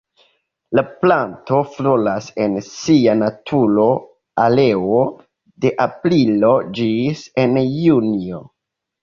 La planto floras en sia natura areo de aprilo ĝis en junio.